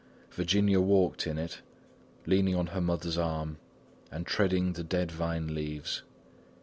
Virginia walked in it, leaning on her mother's arm and treading the dead vine leaves.